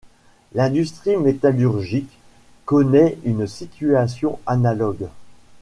L'industrie métallurgique connaît une situation analogue.